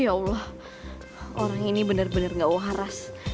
ya allah orang ini benar benar gak waras